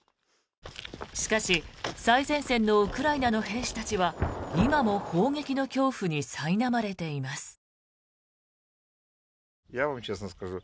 しかし、最前線のウクライナの兵士たちは今も砲撃の恐怖にさいなまれています。